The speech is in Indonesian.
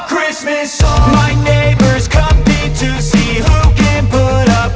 kita harus kebyaran cara muli pp